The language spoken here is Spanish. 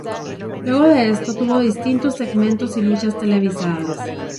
Luego de esto tuvo distintos segmentos y luchas televisadas.